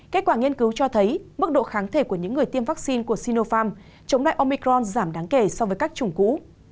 kết quả nghiên cứu cho thấy mức độ kháng thể của những người tiêm vaccine của sinopharm chống lại omicron giảm đáng kể so với các chủng cũ